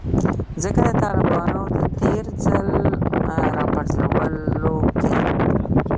ځکه د طالبانو د تیر ځل راپرځولو کې